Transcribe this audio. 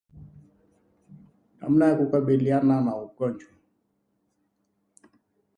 Namna ya kukabiliana na ugonjwa